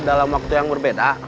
dalam waktu yang berbeda